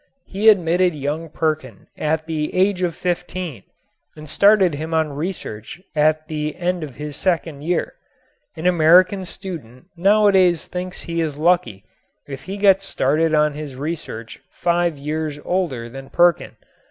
He admitted young Perkin at the age of fifteen and started him on research at the end of his second year. An American student nowadays thinks he is lucky if he gets started on his research five years older than Perkin.